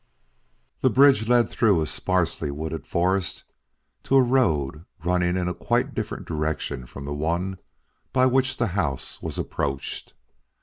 That bridge led through a sparsely wooded forest to a road running in a quite different direction from the one by which the house was approached.